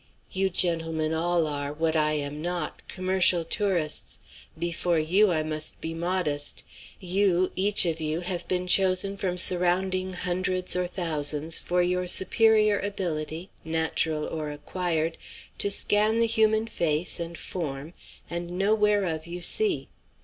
You, gentlemen, all are, what I am not, commercial tourists. Before you I must be modest. You, each of you, have been chosen from surrounding hundreds or thousands for your superior ability, natural or acquired, to scan the human face and form and know whereof you see.